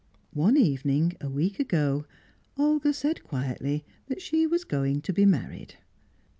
One evening (a week ago) Olga said quietly that she was going to be married.